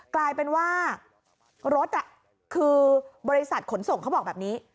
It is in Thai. กลายเป็นว่ารถคือบริษัทขนส่งเขาบอกแบบนี้